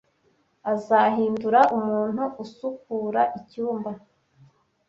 Azahindura umuntu usukura icyumba.